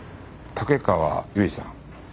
竹川由衣さん。